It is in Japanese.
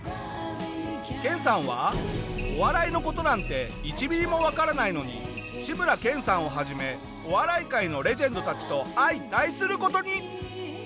研さんはお笑いの事なんて１ミリもわからないのに志村けんさんをはじめお笑い界のレジェンドたちと相対する事に！